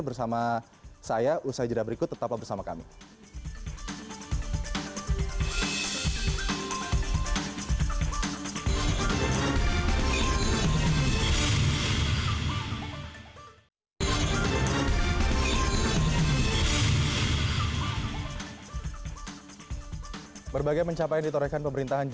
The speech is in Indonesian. bersama saya usai jeda berikut tetap bersama kami